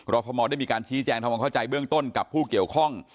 ฟมได้มีการชี้แจงทำความเข้าใจเบื้องต้นกับผู้เกี่ยวข้อง